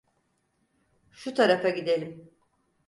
Şu tarafa gidelim.